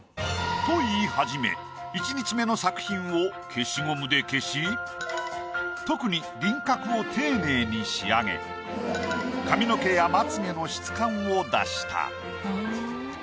と言い始め１日目の作品を消しゴムで消し特に輪郭を丁寧に仕上げ髪の毛やまつ毛の質感を出した。